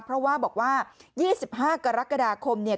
เพราะว่าบอกว่า๒๕กรกฎาคมเนี่ย